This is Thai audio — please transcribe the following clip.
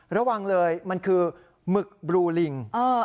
ระวังเลยมันคือหมึกบลูลิง